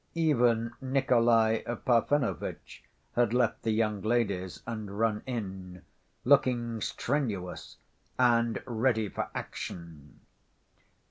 Even Nikolay Parfenovitch had left the young ladies and run in, looking strenuous and ready for action.